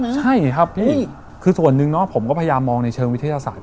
ใช่ครับพี่คือส่วนหนึ่งเนาะผมก็พยายามมองในเชิงวิทยาศาสตร์